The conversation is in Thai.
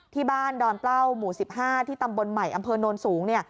ที่บ้านดอนเปล้าหมู่๑๕ที่ตำบลใหม่อำเภอโนนสูง